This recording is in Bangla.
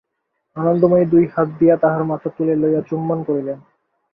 আনন্দময়ী দুই হাত দিয়া তাহার মাথা তুলিয়া লইয়া চুম্বন করিলেন।